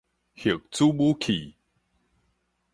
核子武器